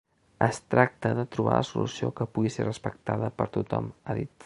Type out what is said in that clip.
Es tracta de trobar la solució que pugui ser respectada per tothom, ha dit.